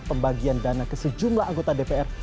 pembagian dana ke sejumlah anggota dpr